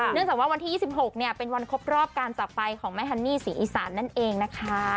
จากว่าวันที่๒๖เป็นวันครบรอบการจากไปของแม่ฮันนี่ศรีอีสานนั่นเองนะคะ